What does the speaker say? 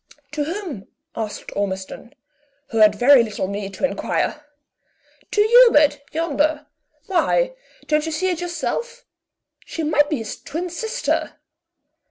"To whom?" asked Ormiston, who had very little need to inquire. "To Hubert, yonder. Why, don't you see it yourself? She might be his twin sister!"